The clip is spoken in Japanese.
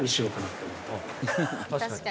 確かに。